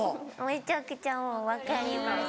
めちゃくちゃもう分かります